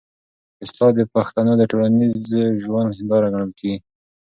استاد د پښتنو د ټولنیز ژوند هنداره ګڼل کېږي.